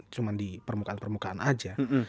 cuma di permukaan permukaan aja